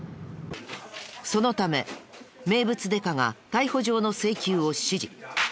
そのため名物デカが逮捕状の請求を指示。